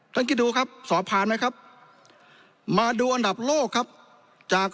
คิดดูครับสอบผ่านไหมครับมาดูอันดับโลกครับจาก